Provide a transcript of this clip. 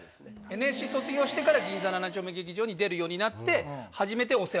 ＮＳＣ卒業してから銀座７丁目劇場に出るようになって。